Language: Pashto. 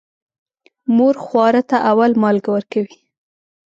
مور خواره ته اول مالګه ورکوي.